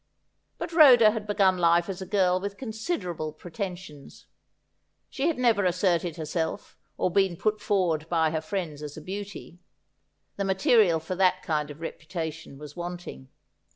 But Rhoda had begun life as a girl with considerable pretensions. She had never asserted herself or been put forward by her friends as a beauty. The material for that kind of reputation was wanting.